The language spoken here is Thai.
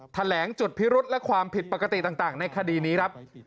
แถลงจุดพิรุษและความผิดปกติต่างในคดีนี้ครับ